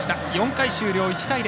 ４回終了、１対０。